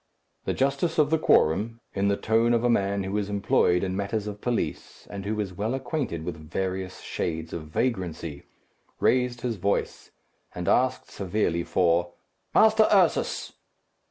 The justice of the quorum, in the tone of a man who is employed in matters of police, and who is well acquainted with various shades of vagrancy, raised his voice, and asked, severely, for "Master Ursus!"